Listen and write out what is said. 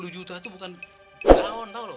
tujuh puluh juta itu bukan jahon tau loh